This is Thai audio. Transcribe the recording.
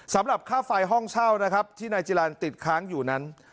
สำหรับค่าไฟห้องเช่านะครับที่นายจิลันติดค้างอยู่นั้น